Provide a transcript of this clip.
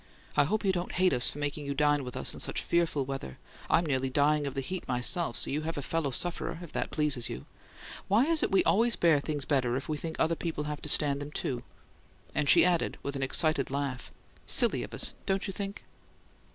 I hope you don't HATE us for making you dine with us in such fearful weather! I'm nearly dying of the heat, myself, so you have a fellow sufferer, if that pleases you. Why is it we always bear things better if we think other people have to stand them, too?" And she added, with an excited laugh: "SILLY of us, don't you think?"